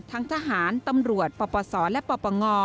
ทั้งทหารตำรวจปปศและปปง